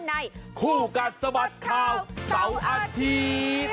ในขู่กัดสะบัดข่าวเสาร์อาทีม